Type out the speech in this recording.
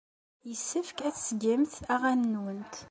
Yessefk ad tettgemt aɣanen-nwent.